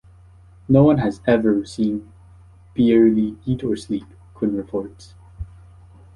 No one has "ever" seen Byerley eat or sleep, Quinn reports.